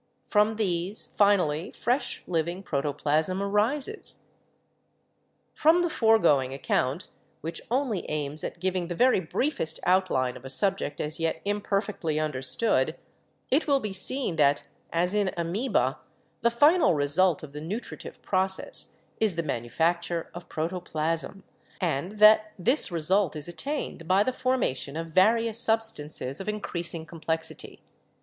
From these finally fresh living pro toplasm arises. "From the foregoing account, which only aims at giving the very briefest outline of a subject as yet imperfectly 104 BIOLOGY understood, it will be seen that, as in Amoeba, the final result of the nutritive process is the manufacture of proto plasm, and that this result is attained by the formation of various substances of increasing complexity.